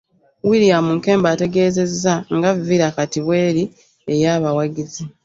William Nkemba ategeezezza nga Villa Kati bweri ey'abawagizi.